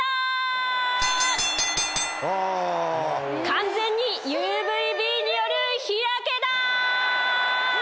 完全にＵＶーＢによる日焼けだ！